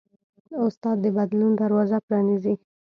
استاد د بدلون دروازه پرانیزي.